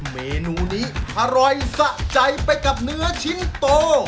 เมนูนี้อร่อยสะใจไปกับเนื้อชิ้นโต